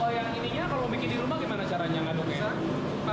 yang ininya kalau bikin di rumah gimana caranya ngaduknya